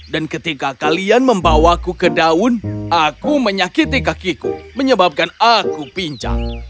dan ketika kalian membawaku ke daun aku menyakiti kakiku menyebabkan aku pinjang